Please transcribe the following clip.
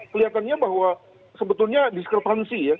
kelihatannya bahwa sebetulnya diskrepansi ya